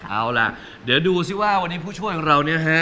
เอาล่ะเดี๋ยวดูซิว่าวันนี้ผู้ช่วยของเรา